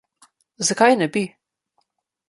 Zakaj ne bi?